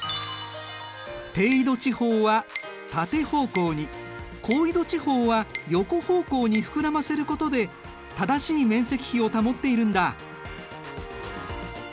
低緯度地方は縦方向に高緯度地方は横方向に膨らませることで正しい面積比を保っているんだ。